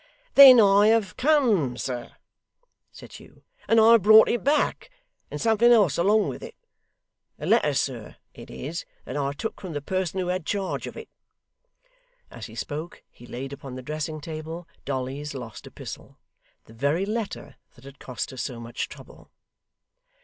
'Then I have come, sir,' said Hugh, 'and I have brought it back, and something else along with it. A letter, sir, it is, that I took from the person who had charge of it.' As he spoke, he laid upon the dressing table, Dolly's lost epistle. The very letter that had cost her so much trouble.